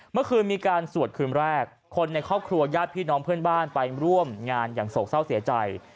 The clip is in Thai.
เมื่อคืนมีการสวดคืนแรกคนในครอบครัวญาติพี่น้องเพื่อนบ้านไปร่วมงานอย่างโศกเศร้าเสียใจ